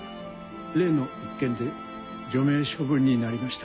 例の一件で除名処分になりました。